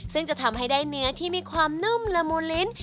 ซึ่งจะทำให้ได้เนื้อที่มีความนุ่มละมูลลิ้น